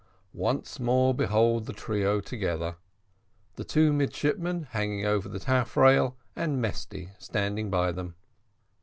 Once more behold the trio together the two midshipmen hanging over the taffrail, and Mesty standing by them.